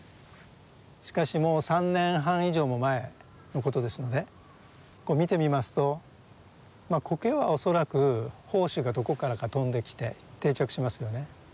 しかしもう３年半以上も前のことですので見てみますとまあコケは恐らく胞子がどこからか飛んできて定着しますよね。